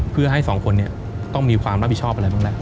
เพื่อให้สองคนต้องมีความรับผิดชอบอะไรบ้างแล้ว